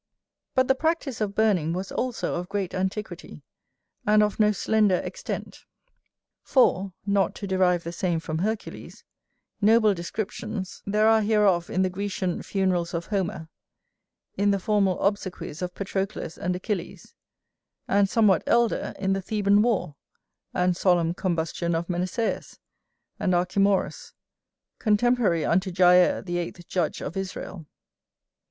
But the practice of burning was also of great antiquity, and of no slender extent. For (not to derive the same from Hercules) noble descriptions there are hereof in the Grecian funerals of Homer, in the formal obsequies of Patroclus and Achilles; and somewhat elder in the Theban war, and solemn combustion of Meneceus, and Archemorus, contemporary unto Jair the eighth judge of Israel.